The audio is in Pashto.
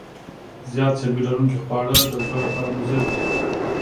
زیات چربي لرونکي خواړه د زړه لپاره مضر دي.